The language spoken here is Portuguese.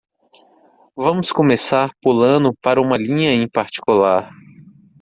Vamos começar pulando para uma linha em particular.